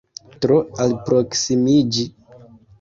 Tro alproksimiĝi?